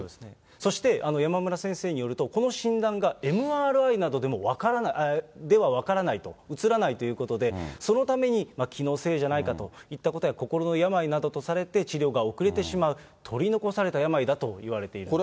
そして山村先生によると、この診断がＭＲＩなどでは分からないと、写らないということで、そのために、気のせいじゃないかといったことや、心の病などとされて、治療が遅れてしまう、取り残された病だといわれているんです。